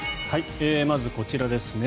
まず、こちらですね